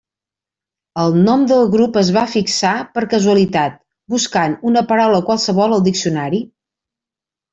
El nom del grup es va fixar per casualitat, buscant una paraula qualsevol al diccionari.